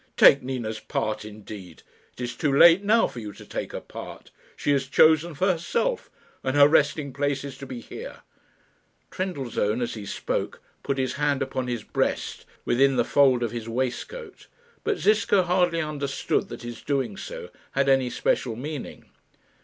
Take Nina's part, indeed! It is too late now for you to take her part. She has chosen for herself, and her resting place is to be here." Trendellsohn, as he spoke, put his hand upon his breast, within the fold of his waistcoat; but Ziska hardly understood that his doing so had any special meaning.